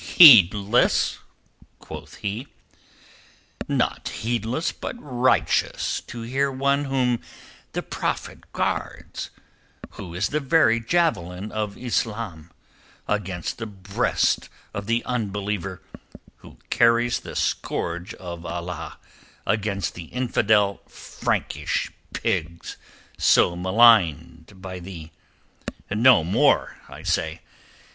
"Heedless?" quoth he. "Not heedless but righteous to hear one whom the Prophet guards, who is the very javelin of Islam against the breast of the unbeliever, who carries the scourge of Allah against the infidel Frankish pigs, so maligned by thee! No more, I say!